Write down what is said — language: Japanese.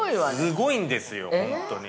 ◆すごいんですよ、ほんとに。